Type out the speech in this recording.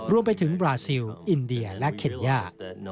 รวมไปถึงบราซิลอินเดียและเคนย่า